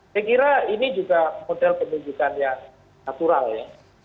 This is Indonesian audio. saya kira ini juga model penunjukan yang natural ya